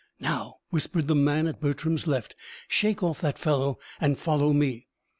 "Now," whispered the man at Bertram's left, "shake off that fellow and follow me."